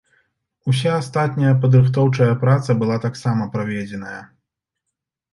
Уся астатняя падрыхтоўчая праца была таксама праведзеная.